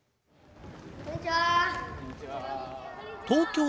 こんにちは！